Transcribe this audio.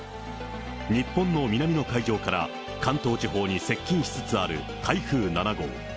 日本の南の海上から、関東地方に接近しつつある台風７号。